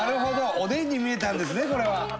おでんに見えたんですねこれは。